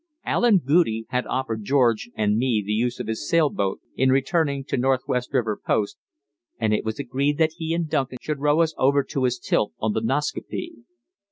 Allen Goudie had offered George and me the use of his sailboat in returning to Northwest River Post, and it was agreed that he and Duncan should row us over to his tilt on the Nascaupee.